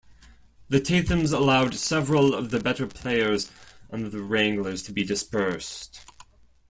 The Tathams allowed several of the better players on the Wranglers to be dispersed.